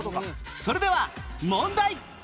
それでは問題